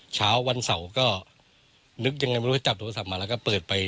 เช้าวันเสาร์ก็นึกยังไงไม่รู้จับโทรศัพท์มาแล้วก็เปิดไป